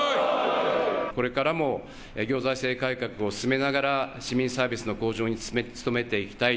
これからも行財政改革を進めながら市民サービスの向上に努めていきたい。